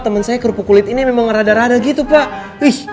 teman saya kerupuk kulit ini memang rada rada gitu pak wih